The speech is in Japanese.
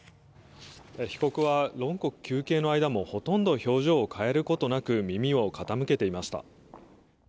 被告は論告求刑の間もほとんど表情を変えることなく耳を傾けていました。